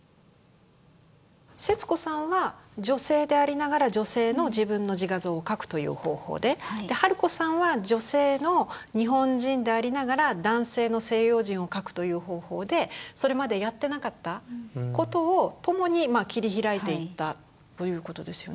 節子さんは女性でありながら女性の自分の自画像を描くという方法で春子さんは女性の日本人でありながら男性の西洋人を描くという方法でそれまでやってなかったことを共に切り開いていったということですよね。